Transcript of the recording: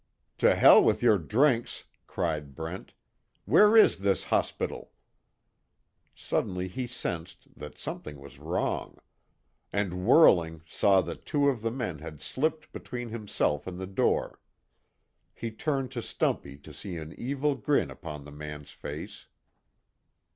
"To hell with your drinks!" cried Brent, "Where is this hospital?" Suddenly he sensed that something was wrong. And whirling saw that two of the men had slipped between himself and the door. He turned to Stumpy to see an evil grin upon the man's face.